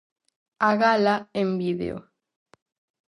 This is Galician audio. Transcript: A gala, en vídeo.